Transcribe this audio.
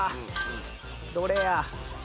どれや？